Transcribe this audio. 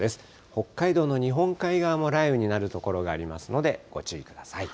北海道の日本海側も雷雨になる所がありますのでご注意ください。